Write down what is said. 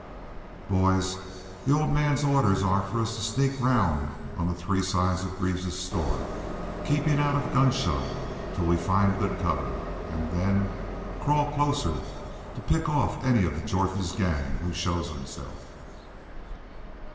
"Boys, the old man's orders are for us to sneak round on three sides of Greaves's store, keepin' out of gunshot till we find good cover, an' then crawl closer an' to pick off any of Jorth's gang who shows himself."